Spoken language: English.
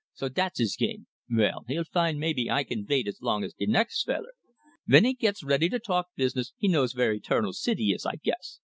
So dat's his game. Vell, he'll find maybe I can vait as long as de next feller. Ven he gits ready to talk business, he knows vere Eternal City is, I guess.